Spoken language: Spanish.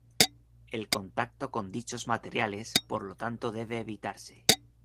El contacto con dichos materiales por lo tanto debe evitarse.